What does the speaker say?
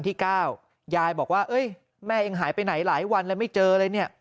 ยายบอกว่าแม่เองหายไปไหนหลายวันแล้วไม่เจอเลยเนี่ย